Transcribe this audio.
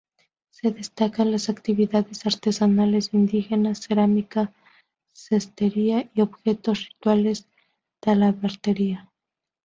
Se destacan las actividades artesanales indígenas, cerámica, cestería y objetos rituales, talabartería.